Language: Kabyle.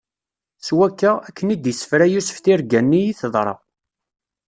S wakka, akken i d-issefra Yusef tirga-nni, i teḍra.